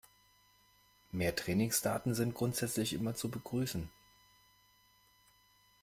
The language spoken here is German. Mehr Trainingsdaten sind grundsätzlich immer zu begrüßen.